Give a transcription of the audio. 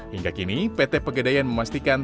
hingga kini pt pegadaian memastikan